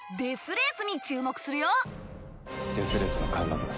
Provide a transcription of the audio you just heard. デス・レースの開幕だ。